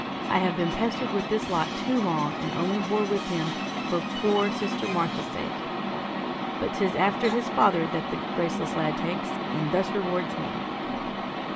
I have been pestered with this lot too long, and only bore with him for poor sister Martha's sake; but 'tis after his father that the graceless lad takes, and thus rewards me.'